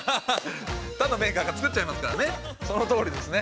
他のメーカーが作っちゃいまそのとおりですね。